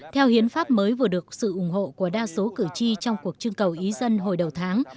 theo hiến pháp mới vừa được sự ủng hộ của đa số cử tri trong cuộc trưng cầu ý dân hồi đầu tháng